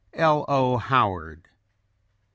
_" L. O. HOWARD.